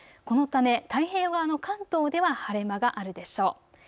このため太平洋側の関東では晴れ間があるでしょう。